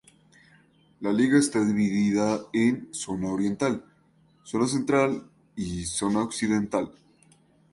La liga está dividida en Zona Oriental, Zona Central y Zona Occidental.